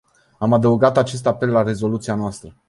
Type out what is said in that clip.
Am adăugat acest apel la rezoluția noastră.